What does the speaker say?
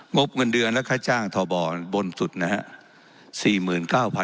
บเงินเดือนและค่าจ้างทบบนสุดนะฮะ